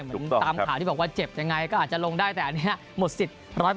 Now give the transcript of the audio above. ตามข่าวที่บอกว่าเจ็บยังไงก็อาจจะลงได้แต่อันนี้หมดสิทธิ์๑๐๐